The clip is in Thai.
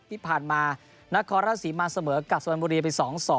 ที่ผ่านมานครรัฐศีรมาเสมอกกับสวรรค์บริเวณปี๒๒